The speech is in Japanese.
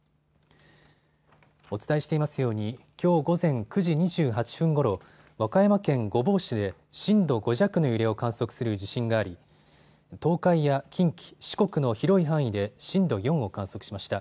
お伝えしていますようにきょう午前９時２８分ごろ和歌山県御坊市で震度５弱の揺れを観測する地震があり東海や近畿、四国の広い範囲で震度４を観測しました。